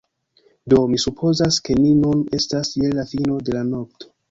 Do, mi supozas ke ni nun estas je la fino de la nokto.